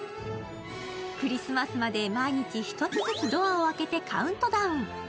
クリスマスまで毎日１つずつドアを開けてカウントダウン。